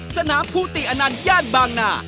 สนามภูติอนันต์ย่านบางนา